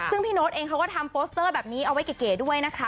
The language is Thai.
ซึ่งพี่โน๊ตเองเขาก็ทำโปสเตอร์แบบนี้เอาไว้เก๋ด้วยนะคะ